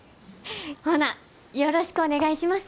ほなよろしくお願いします！